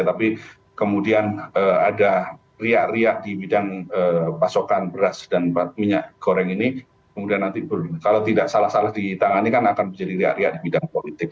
tapi kemudian ada riak riak di bidang pasokan beras dan minyak goreng ini kemudian nanti kalau tidak salah salah ditangani kan akan menjadi riak riak di bidang politik